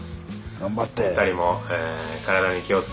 頑張って。